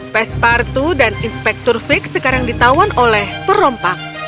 pes partu dan inspektur fik sekarang ditawan oleh perompak